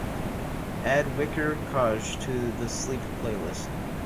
Add wiktor coj to the Sleep playlist.